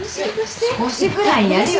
少しぐらいやるよ